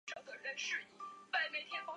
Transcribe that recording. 房间里全部都是关于爱情的书籍。